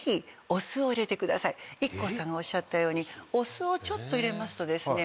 ＩＫＫＯさんがおっしゃったようにお酢をちょっと入れますとですね